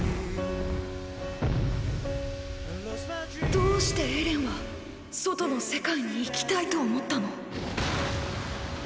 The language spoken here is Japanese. どうしてエレンは外の世界に行きたいと思ったの？